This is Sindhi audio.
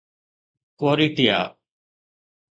ڪوريٽيا